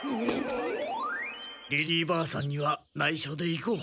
リリーばあさんにはないしょで行こう。